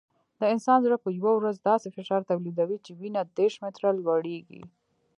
د انسان زړه په یوه ورځ داسې فشار تولیدوي چې وینه دېرش متره لوړېږي.